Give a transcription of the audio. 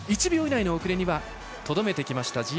１秒以内の遅れにはとどめてきました